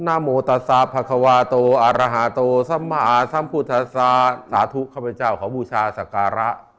โมตซาพระควาโตอารหาโตสัมมหาสัมพุทธศาสาธุข้าพเจ้าขอบูชาสการะ